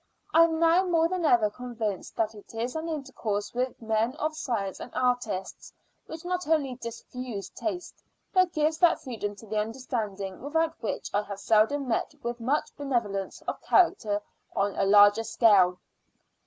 I am now more than ever convinced that it is an intercourse with men of science and artists which not only diffuses taste, but gives that freedom to the understanding without which I have seldom met with much benevolence of character on a large scale.